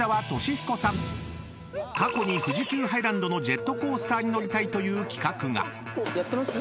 ［過去に富士急ハイランドのジェットコースターに乗りたいという企画が］